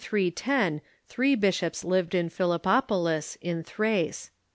310 three bish ops lived in Philippopolis, in Thrace.